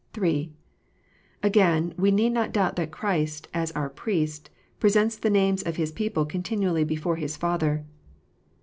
(3) Again : we need not doubt that Christ, as our Priest, pi esents the names of His people continually before His Father.